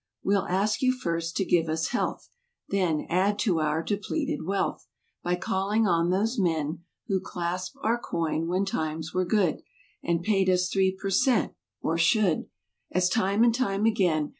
We'll ask you first, to give us health. Then—add to our depleted wealth By calling on those men Who clasped our coin when times were good (And paid us three per cent., or should) As time and time again.